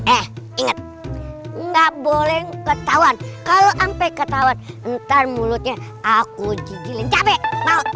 eh inget gak boleh ketahuan kalau sampai ketahuan ntar mulutnya aku gigilin capek mau